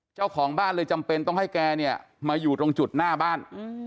เจ้าของบ้านเลยจำเป็นต้องให้แกเนี่ยมาอยู่ตรงจุดหน้าบ้าน